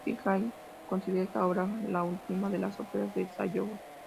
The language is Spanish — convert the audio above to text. S. J. Adair Fitz-Gerald considera esta obra la última de las óperas del Savoy.